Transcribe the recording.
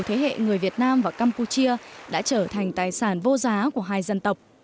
thế hệ người việt nam và campuchia đã trở thành tài sản vô giá của hai dân tộc